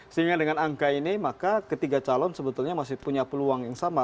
sehingga dengan angka ini maka ketiga calon sebetulnya masih punya peluang yang sama